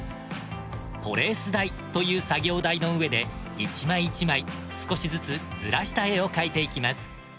トレース台という作業台の上で１枚１枚少しずつずらした絵を描いていきます。